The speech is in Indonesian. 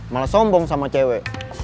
malah sombong sama cewek